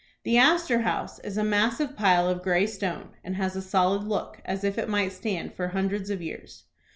The Astor House is a massive pile of gray stone, and has a solid look, as if it might stand for hundreds of years.